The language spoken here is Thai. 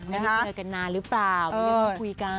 ไม่ได้เจอกันนานหรือเปล่าไม่ได้เพิ่งคุยกัน